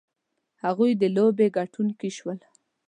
هغوی د لوبې ګټونکي شول.